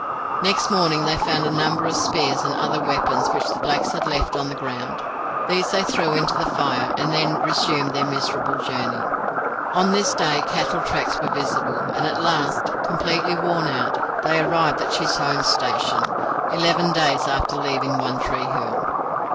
Next morning they found a number of spears and other weapons which the blacks had left on the ground; these they threw into the fire, and then resumed their miserable journey. On this day cattle tracks were visible, and at last, completely worn out, they arrived at Chisholm's station, eleven days after leaving One Tree Hill.